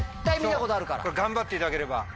そう頑張っていただければ。